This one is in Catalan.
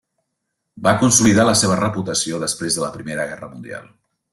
Va consolidar la seva reputació després de la Primera Guerra Mundial.